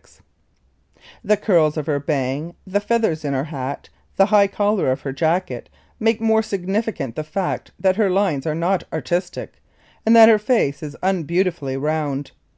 27] The curls of her bang, the feathers in her hat, the high collar of her jacket make more significant the fact that her lines are not artistic and that her face is unbeautifully round.